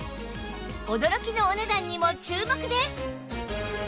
驚きのお値段にも注目です！